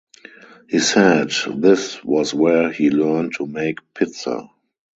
He said this was where he learned to make pizza.